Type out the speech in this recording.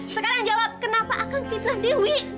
sekarang jawab kenapa akan fitnah dewi